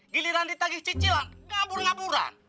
giliran ditagih cicilan kabur ngaburan